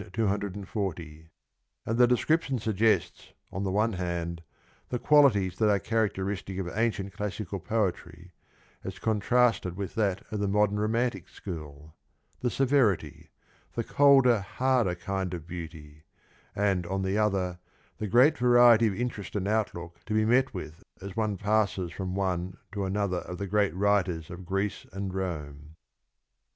240); and the description suggests on the one hand the qualities that are characteristic of ancient classical poetry as con trasted with that of the modern romantic school — the severity, the colder, harder kind of beauty; and on the other the great variety of interest and outlook to be met with as one passes from one to another of the great writers of Greece and Rome.